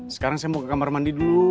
sekarang saya mau ke kamar mandi dulu